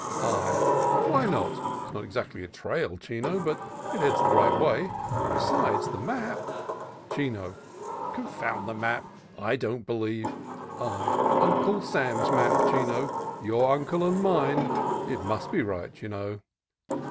/. "Why, no, it's not exactly a trail, Chino, but it heads the right way. Besides, the map —" Chino. "Confound the map! I don't believe —" I. "Uncle Sam's map, Chino, your uncle and mine. It must be right, you know."